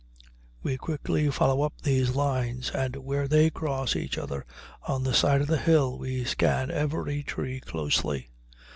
We quickly follow up these lines, and where they cross each other on the side of the hill we scan every tree closely.